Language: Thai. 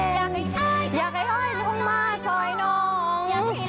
อยากให้อ้อยอ้อยทุกคนมาซ่อยน๋อง